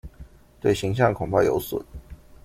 對形象恐怕有損